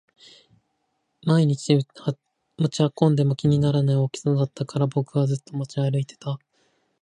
毎日持ち運んでも気にならない大きさだったから僕はずっと持ち歩いていた